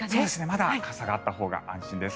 まだ傘があったほうが安心です。